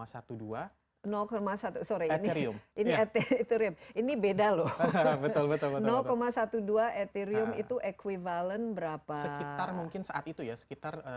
satu sore ini beda loh betul betul dua belas etherium itu equivalent berapa mungkin saat itu ya sekitar